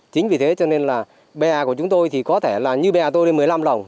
chính vì thế cho nên là bè của chúng tôi thì có thể là như bè tôi lên một mươi năm lồng